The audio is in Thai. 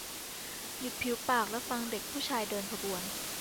หยุดผิวปากและฟังเด็กผู้ชายเดินขบวน